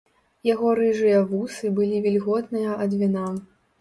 Яго рыжыя вусы былі вільготныя ад віна.